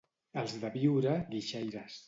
Els de Biure, guixaires.